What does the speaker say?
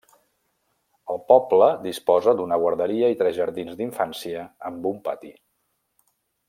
El poble disposa d'una guarderia i tres jardins d'infància amb un pati.